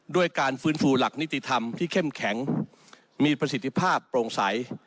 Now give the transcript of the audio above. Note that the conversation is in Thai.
ด้วยการฟื้นฟูหลักนิติธรรมที่เข้มแข็งมีประสิทธิภาพโปร่งใส